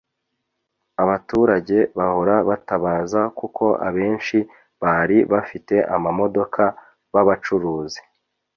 Abaturage bahora batabaza kuko abenshi bari bafite amamodoka b’abacuruzi